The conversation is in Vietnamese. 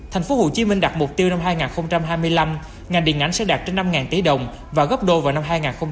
tp hcm đạt mục tiêu năm hai nghìn hai mươi năm ngành điện ảnh sẽ đạt trên năm tỷ đồng và góp đô vào năm hai nghìn ba mươi